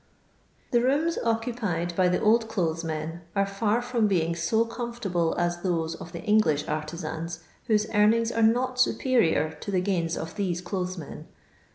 The rooms occupied by the ohUlothes men are fiir from being so comfivtable as those of the Eng lish artisans whose earnings are not superior to the gains of these dothes men.